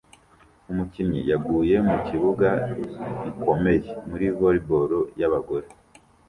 Umukinnyi yaguye mukibuga gikomeye muri volley ball y'abagore